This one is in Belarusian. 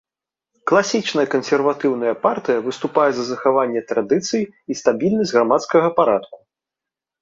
Класічная кансерватыўная партыя, выступае за захаванне традыцый і стабільнасць грамадскага парадку.